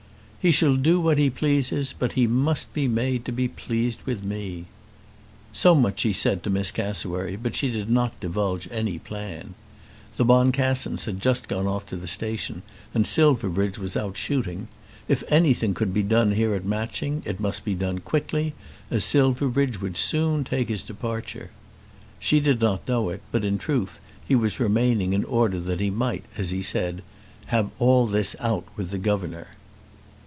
"He shall do what he pleases, but he must be made to be pleased with me." So much she said to Miss Cassewary; but she did not divulge any plan. The Boncassens had just gone off to the station, and Silverbridge was out shooting. If anything could be done here at Matching, it must be done quickly, as Silverbridge would soon take his departure. She did not know it, but, in truth, he was remaining in order that he might, as he said, "have all this out with the governor."